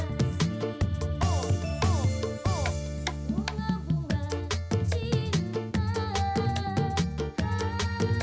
mulai bakal indah